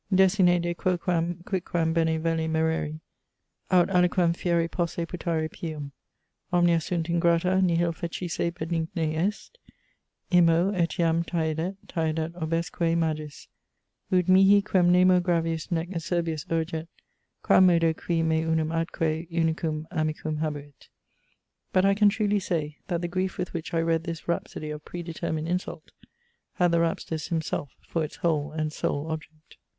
Desine de quoquam quicquam bene velle mereri, Aut aliquem fieri posse putare pium. Omnia sunt ingrata: nihil fecisse benigne est: Immo, etiam taedet, taedet obestque magis; Ut mihi, quem nemo gravius nec acerbius urget, Quam modo qui me unum atque unicum amicum habuit. But I can truly say, that the grief with which I read this rhapsody of predetermined insult, had the rhapsodist himself for its whole and sole object.